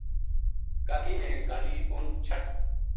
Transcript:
کا کی نے کالی اُ ن چھٹ